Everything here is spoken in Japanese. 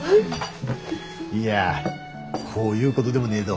いやこういうごどでもねえど